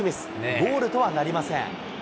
ゴールとはなりません。